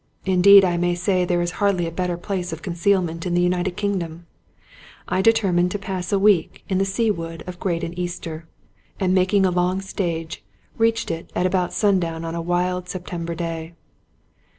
Indeed I may say there is hardly a better place of concealment in the United Kingdom. I de^ termined to pass a week in the Sea Wood of Graden Easter, and making a long stage, reached it about stmdown on a wild September day.